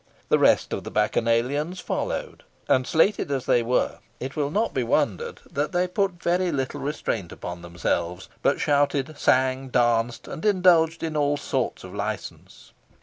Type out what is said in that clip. The rest of the bacchanalians followed, and, elated as they were, it will not be wondered that they put very little restraint upon themselves, but shouted, sang, danced, and indulged in all kinds of licence.